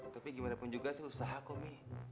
tapi gimana pun juga sih usaha kok nih